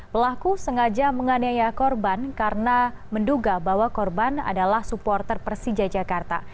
pelaku sengaja menganiaya korban karena menduga bahwa korban adalah supporter persija jakarta